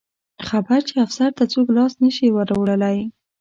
خبر چې افسر ته څوک لاس نه شي وروړلی.